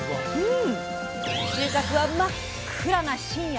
収穫は真っ暗な深夜。